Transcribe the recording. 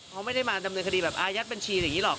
เขาไม่ได้มาดำเนินคดีแบบอายัดบัญชีอย่างนี้หรอก